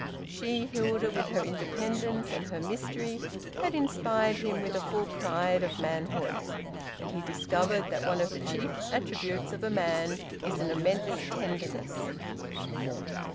She, Hilda, with her independence and her mystery, had inspired him with a full pride of manhood. And he discovered that one of the chief attributes of a man is an immense tenderness.